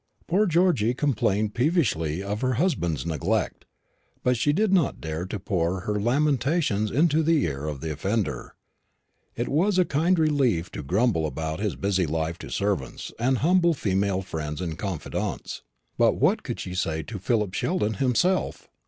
Poor Georgy complained peevishly of her husband's neglect; but she did not dare to pour her lamentations into the ear of the offender. It was a kind of relief to grumble about his busy life to servants and humble female friends and confidantes; but what could she say to Philip Sheldon himself?